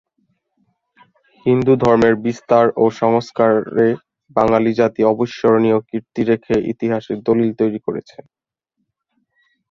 হিন্দু ধর্মের বিস্তার ও সংস্কারে বাঙালি জাতি অবিস্মরণীয় কীর্তি রেখে ইতিহাসের দলিল তৈরি করেছে।